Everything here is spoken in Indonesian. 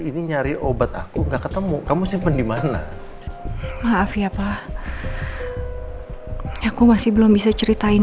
ini nyari obat aku enggak ketemu kamu simpen dimana maaf ya pak aku masih belum bisa ceritain